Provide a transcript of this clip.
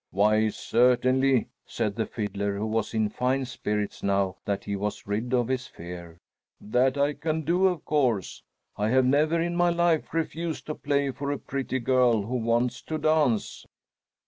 "Why, certainly," said the fiddler, who was in fine spirits now that he was rid of his fear. "That I can do, of course. I have never in my life refused to play for a pretty girl who wants to dance."